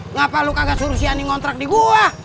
ngapa lu kagak suruh si ani ngontrak di gua